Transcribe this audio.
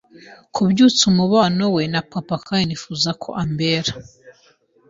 kubyutsa umubano we na papa kandi ko nifuza ko ambera